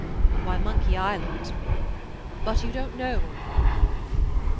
"Why, Monkey Island 's real. But you don't know old Monkey.